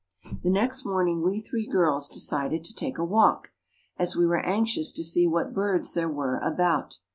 The next morning we three girls decided to take a walk, as we were anxious to see what birds there were about.